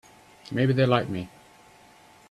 Maybe they're like me.